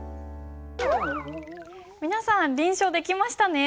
皆さん臨書できましたね？